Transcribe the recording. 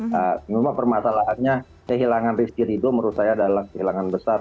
cuma permasalahannya kehilangan rizky ridodo menurut saya adalah kehilangan besar